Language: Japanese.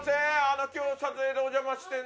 あの今日撮影でお邪魔して。